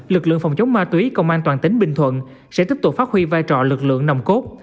lực lượng phòng chống ma túy công an toàn tỉnh bình thuận sẽ tiếp tục phát huy vai trò lực lượng nồng cốt